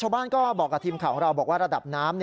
บ้านก็บอกกับทีมข่าวของเราบอกว่าระดับน้ำ